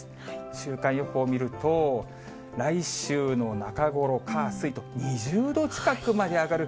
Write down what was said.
週間予報見ると、来週の中頃、火、水と、２０度近くまで上がる。